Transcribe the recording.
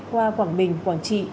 qua quảng bình quảng trị